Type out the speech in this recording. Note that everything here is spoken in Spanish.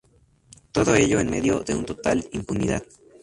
Todo ello en medio de una total impunidad.